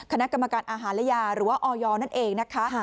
คณะกรรมการอาหารและยาหรือว่าออยนั่นเองนะคะ